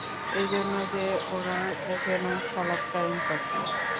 এজন্যে যে, ওরা যেন সালাত কায়েম করে।